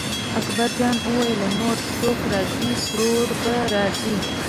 اکبرجان وویل نور څوک راځي ترور به راځي.